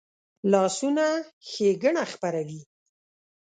لاسونه ښېګڼه خپروي